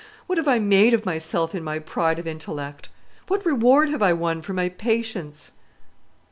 What have I made of myself in my pride of intellect? What reward have I won for my patience?"